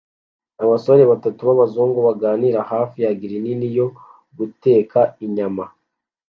Abasore batatu b'abazungu baganira hafi ya grill nini yo guteka inyama